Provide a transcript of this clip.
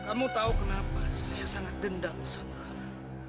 kamu tahu kenapa saya sangat dendam sama